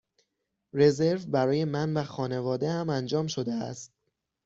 رزرو برای من و خانواده ام انجام شده است.